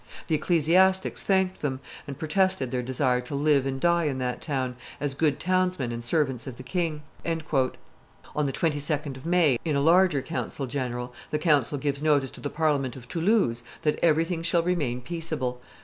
... The ecclesiastics thanked them, and protested their desire to live and die in that town, as good townsmen and servants of the king .." On the 22d of May, in a larger council general, the council gives notice to the Parliament of Toulouse that everything shall remain peaceable.